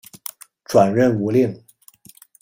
转任吴令。